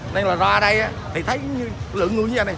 nên là ra đây thì thấy lượng người như thế này